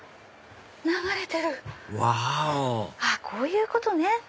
こういうことね！